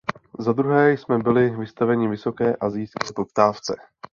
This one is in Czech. Zadruhé jsme byli vystaveni vysoké asijské poptávce.